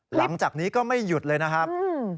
หลังจากนี้ก็ไม่หยุดเลยนะครับ